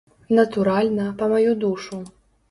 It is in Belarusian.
Натуральна, па маю душу.